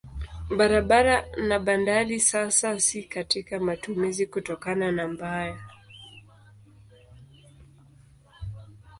Barabara na bandari sasa si katika matumizi kutokana na mbaya.